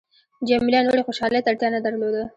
جميله نورې خوشحالۍ ته اړتیا نه درلوده.